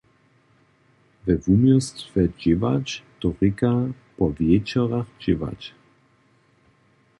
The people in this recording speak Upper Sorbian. We wuměłstwje dźěłać, to rěka po wječorach dźěłać.